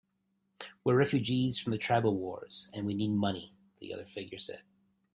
"We're refugees from the tribal wars, and we need money," the other figure said.